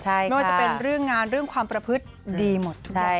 ไม่ว่าจะเป็นเรื่องงานเรื่องความประพฤติดีหมดทุกอย่าง